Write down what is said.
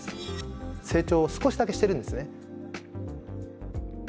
成長を少しだけしてるんですね。